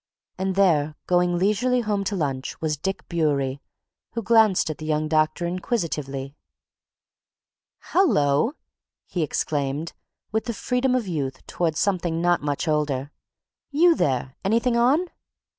And there, going leisurely home to lunch, was Dick Bewery, who glanced at the young doctor inquisitively. "Hullo!" he exclaimed with the freedom of youth towards something not much older. "You there? Anything on?"